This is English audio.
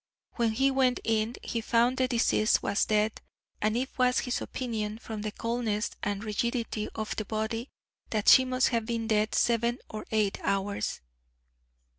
When he went in, he found the deceased was dead, and it was his opinion, from the coldness and rigidity of the body, that she must have been dead seven or eight hours.